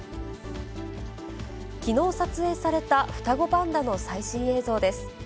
きのう撮影された双子パンダの最新映像です。